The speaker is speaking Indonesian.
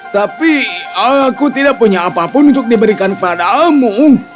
tapi aku tidak punya apapun untuk diberikan padamu